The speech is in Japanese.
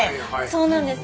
そうなんです。